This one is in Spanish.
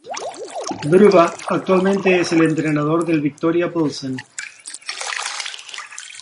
Vrba actualmente es el entrenador del Viktoria Plzeň.